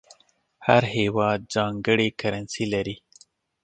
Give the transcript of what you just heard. هر هېواد ځانګړې کرنسي لري.